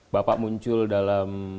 bapak muncul dalam